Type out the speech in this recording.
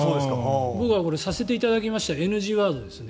僕はこれ「させていただきます」はＮＧワードですね。